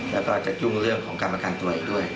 แล้วก็จะยุ่งเรื่องของการประกันตัวอีกด้วย